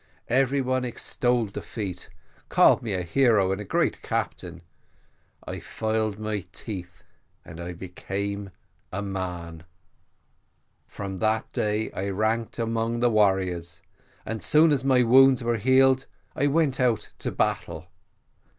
Every one extolled the feat, called me a hero and a great captain. I filed my teeth, and I became a man. "From that day I ranked among the warriors, and, as soon as my wounds were healed, I went out to battle.